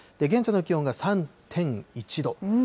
現在の気温が３．１度。